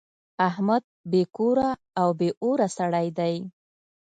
احمد بې کوره او بې اوره سړی دی.